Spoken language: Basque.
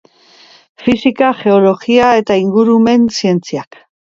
Fisika, Geologia eta Ingurumen Zientziak.